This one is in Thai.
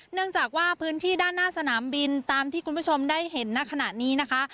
เนื่องจากว่าพื้นที่ด้านหน้าสนามบินตามที่คุณผู้ชมได้เห็นณขณะนี้นะคะ